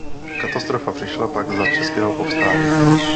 Katastrofa přišla pak za českého povstání.